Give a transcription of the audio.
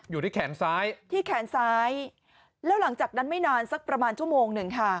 อยู่ที่แขนซ้ายที่แขนซ้ายแล้วหลังจากนั้นไม่นานสักประมาณชั่วโมงหนึ่งค่ะ